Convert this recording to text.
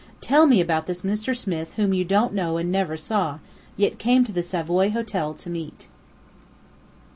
Tell me about this Mr. Smith whom you don't know and never saw, yet came to the Savoy Hotel to meet."